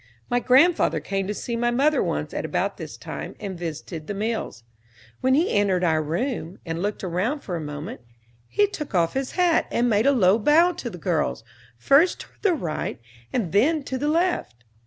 My grandfather came to see my mother once at about this time and visited the mills. When he had entered our room, and looked around for a moment, he took off his hat and made a low bow to the girls, first toward the right, and then toward the left.